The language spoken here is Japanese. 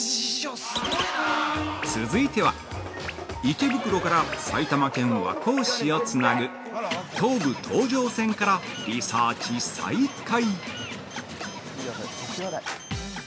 続いては、池袋から埼玉県和光市をつなぐ、東武東上線からリサーチ再開。